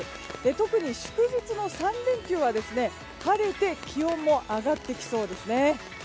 特に祝日の３連休は、晴れて気温も上がってきそうです。